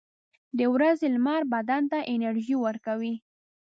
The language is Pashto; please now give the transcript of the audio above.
• د ورځې لمر بدن ته انرژي ورکوي.